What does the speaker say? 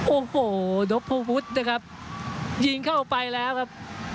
โอ้โหโดบภูมิพุฒร์นะครับยิงเข้าไปแล้วครับ